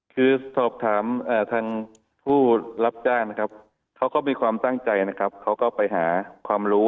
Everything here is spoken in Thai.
คือสอบถามทางผู้รับจ้างนะครับเขาก็มีความตั้งใจนะครับเขาก็ไปหาความรู้